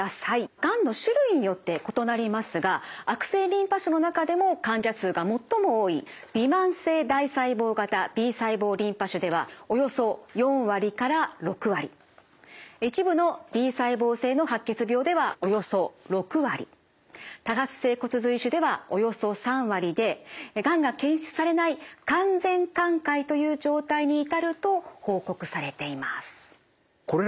がんの種類によって異なりますが悪性リンパ腫の中でも患者数が最も多いびまん性大細胞型Ｂ細胞リンパ腫ではおよそ４割から６割一部のＢ細胞性の白血病ではおよそ６割多発性骨髄腫ではおよそ３割でがんが検出されない完全寛解という状態に至ると報告されています。